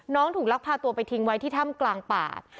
ถูกลักพาตัวไปทิ้งไว้ที่ถ้ำกลางป่า